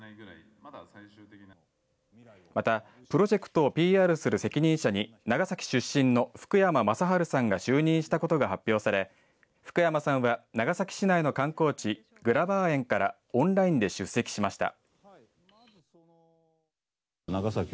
またプロジェクトをＰＲする責任者に長崎出身の福山雅治さんが就任したことが発表され福山さんは長崎市内の観光地、グラバー園からオンラインで出席しました。